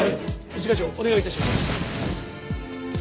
一課長お願い致します。